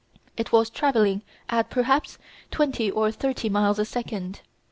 It was travelling at, perhaps, twenty or thirty miles a second.